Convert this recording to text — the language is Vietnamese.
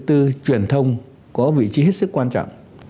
truyền thông có vị trí hết sức quan trọng